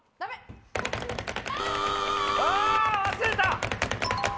あ忘れた！